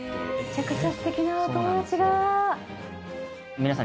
めちゃくちゃ素敵なお友達が。